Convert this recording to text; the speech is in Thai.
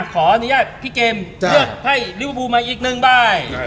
ขออนุญาตพี่เกมเลือกไฟลิเวอร์ฟูมาอีกนึงบ้าง